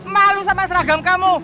malu sama seragam kamu